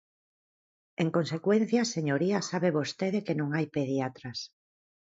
En consecuencia, señoría, sabe vostede que non hai pediatras.